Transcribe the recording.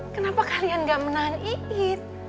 kenapa kalian gak menahan iit